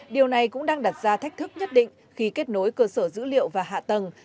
điều này cũng đang đặt ra thách thức nhất định khi kết nối cơ sở dữ liệu và hạ tầng